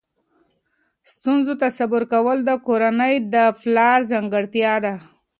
ستونزو ته صبر کول د کورنۍ د پلار ځانګړتیا ده.